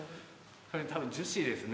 これたぶん樹脂ですね。